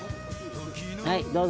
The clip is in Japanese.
はいどうぞ！